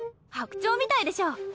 白鳥みたいでしょ？